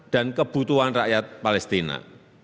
dan kebutuhan rakyat palestina